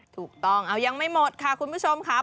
ถูกต้องเอายังไม่หมดค่ะคุณผู้ชมค่ะ